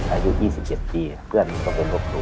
อายุ๒๑ปีมีเพื่อนมันต้องไปลบหรู